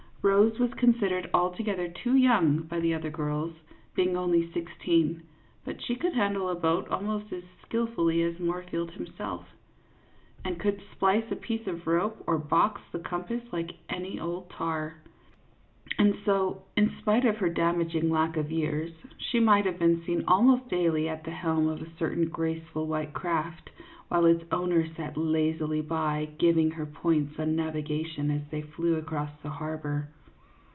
Rose was considered altogether too young by the other girls, being only sixteen, but she could handle a boat almost as skilfully as Moorfield himself, and 4O CLYDE MOORFIELD, YACHTSMAN. could splice a piece of rope or box the compass like any old tar ; and so, in spite of her damaging lack of years, she might have been seen almost daily at the helm of a certain graceful white craft, while its owner sat lazily by, giving her points on navigation, as they flew across the harbor.